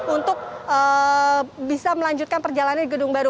untuk bisa melanjutkan perjalanan di gedung baru